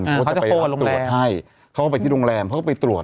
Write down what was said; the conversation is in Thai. เขาจะโทนโรงแรมเข้าไปที่โรงแรมเข้าไปตรวจ